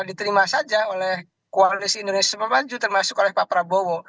diterima saja oleh koalisi indonesia maju termasuk oleh pak prabowo